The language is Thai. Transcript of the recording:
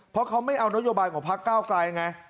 เพราะเขาไม่เอานโยบายของพักเก้าไกลไง